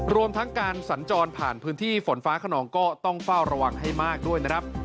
รวมทั้งการสัญจรผ่านพื้นที่ฝนฟ้าขนองก็ต้องเฝ้าระวังให้มากด้วยนะครับ